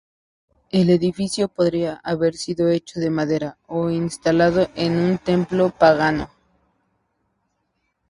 El edificio podría haber sido hecho de madera, o instalado en un templo pagano.